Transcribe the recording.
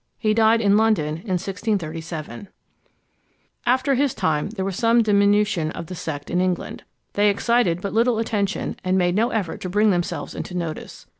He died in London in 1637. After his time there was some diminution of the sect in England. They excited but little attention, and made no effort to bring themselves into notice.